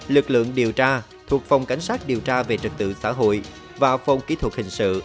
lực lượng điều tra thuộc phòng cảnh sát điều tra về trật tự xã hội và phòng kỹ thuật hình sự